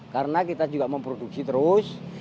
karena kita juga memproduksi terus